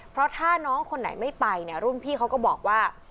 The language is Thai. เพราะถ้าน้องคนไหนไม่ไปเนี่ยรุ่นพี่เขาก็บอกว่า